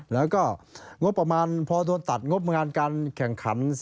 แล้วก็งบประมาณพอโดนตัดงบงานการแข่งขัน